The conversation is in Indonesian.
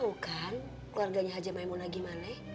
lo tau kan keluarganya haja maimunah gimana